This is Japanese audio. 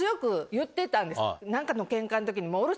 何かのケンカの時にも。